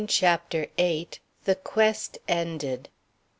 CHAPTER VIII. THE QUEST ENDED.